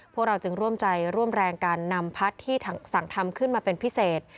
พวกเราจึงร่วมใจร่วมแรงการนำพัดที่สั่งทำขึ้นมาเป็นพิเศษ